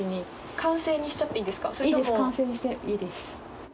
完成にしていいです。